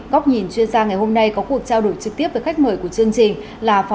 góc nhìn chuyên gia ngày hôm nay có cuộc trao đổi trực tiếp với khách mời của chương trình